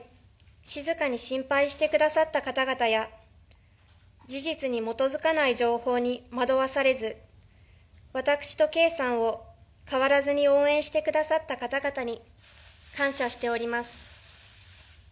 静かに心配してくださった方々や事実に基づかない情報に惑わされず私と圭さんを変わらずに応援してくださった方々に感謝しております。